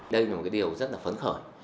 đây là một cái điều rất là phấn khởi